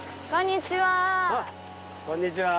こんにちは！